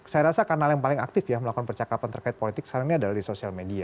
saya rasa kanal yang paling aktif ya melakukan percakapan terkait politik sekarang ini adalah di sosial media